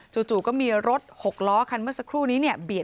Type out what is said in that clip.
จู่ก็มีรถ๖ล้อคันเมื่อสักครู่นี้เนี่ยเบียด